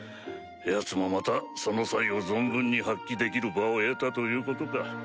ヤツもまたその才を存分に発揮できる場を得たということか。